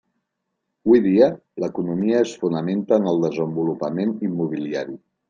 Hui dia, l'economia es fonamenta en el desenvolupament immobiliari.